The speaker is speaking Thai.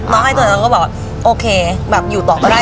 ร้องไห้ตัวแล้วก็บอกโอเคอยู่ต่อก็ได้